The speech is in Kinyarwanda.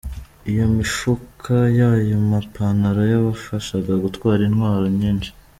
Iyo mifuka y’ayo mapantalo yabafashaga gutwara intwaro nyinshi.